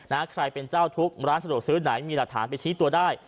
ใครเป็นเจ้าทุกข์ร้านสะดวกซื้อไหนมีหลักฐานไปชี้ตัวได้